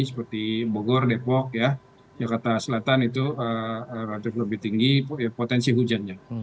seperti bogor depok jakarta selatan itu relatif lebih tinggi potensi hujannya